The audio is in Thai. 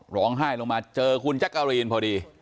ร้องไห้ลงมาเจอคุณจักรีนพอดี